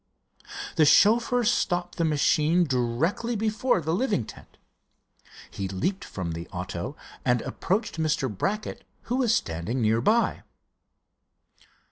The chauffeur stopped the machine directly before the living tent. He leaped from the auto and approached Mr. Brackett, who was standing near by.